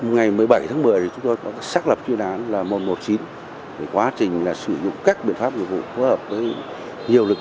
ngày một mươi bảy tháng một mươi chúng tôi đã xác lập chuyên án một trăm một mươi chín quá trình sử dụng các biện pháp nghiệp vụ phối hợp với nhiều lực lượng